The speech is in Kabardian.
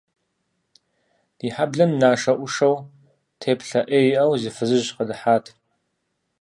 Ди хьэблэм нашэӏушэу, теплъэ ӏей иӏэу, зы фызыжь къыдыхьат.